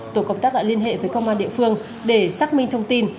tổ công tác đã liên hệ với công an địa phương để xác minh thông tin